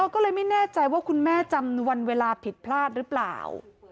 ก็เลยไม่แน่ใจว่าคุณแม่จำวันเวลาผิดพลาดหรือเปล่า